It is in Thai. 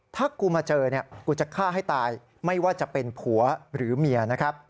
ถ้ากลับมาเจอกูจะฆ่าให้ตายไม่ว่าจะเป็นผัวหรือเมีย